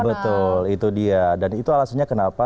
betul itu dia dan itu alasannya kenapa